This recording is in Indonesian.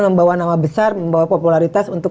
membawa nama besar membawa popularitas untuk